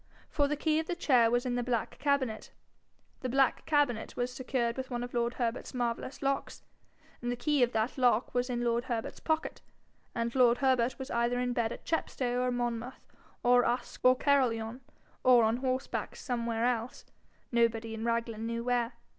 For the key of the chair was in the black cabinet; the black cabinet was secured with one of lord Herbert's marvellous locks; the key of that lock was in lord Herbert's pocket, and lord Herbert was either in bed at Chepstow or Monmouth or Usk or Caerlyon, or on horseback somewhere else, nobody in Raglan knew where.